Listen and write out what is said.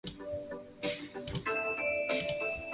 星空下的人们天天改变